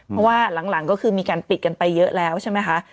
เพราะว่าหลังก็คือมีการปิดกันไปเยอะแล้วใช่ไหมคะ